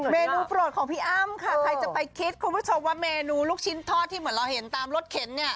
เมนูโปรดของพี่อ้ำค่ะใครจะไปคิดคุณผู้ชมว่าเมนูลูกชิ้นทอดที่เหมือนเราเห็นตามรถเข็นเนี่ย